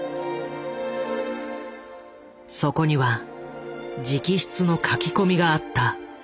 そこには直筆の書き込みがあった。